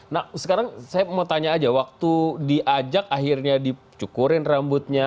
nah sekarang saya mau tanya aja waktu diajak akhirnya dicukurin rambutnya